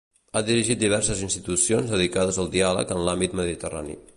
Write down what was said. Ha dirigit diverses institucions dedicades al diàleg en l'àmbit mediterrani.